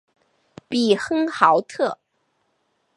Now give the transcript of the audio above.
比亨豪特。